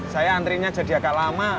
saya antrinya jadi agak lama